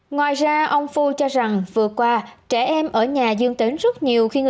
ngoài ra ông phu cho rằng vừa qua trẻ em ở nhà dương tến rất nhiều